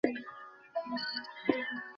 আমি hush puppy খাবার বানিয়েছি, টিয়ানা।